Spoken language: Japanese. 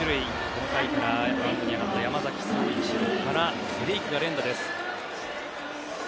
この回からマウンドに上がった山崎颯一郎からセ・リーグが連打です。